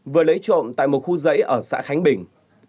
vừa lấy trộm tại một khu giấy ở xã khánh bình